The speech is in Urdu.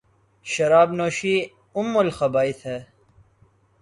شراب نوشی ام الخبائث ہےـ